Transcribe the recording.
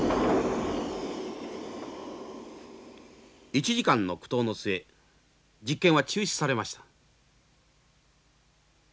１時間の苦闘の末実験は中止されました。